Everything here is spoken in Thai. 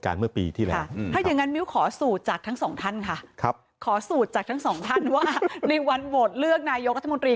กับผู้ชมนะครับ